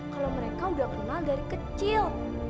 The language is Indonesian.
kalau mereka udah kenal dari kecil